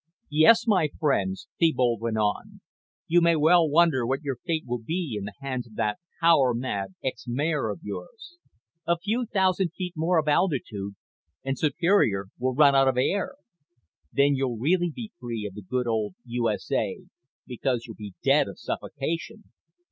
"Yes, my friends," Thebold went on, "you may well wonder what your fate will be in the hands of that power mad ex mayor of yours. A few thousand feet more of altitude and Superior will run out of air. Then you'll really be free of the good old U.S.A. because you'll be dead of suffocation.